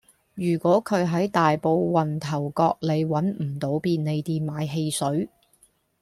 如果佢喺大埔運頭角里搵唔到便利店買汽水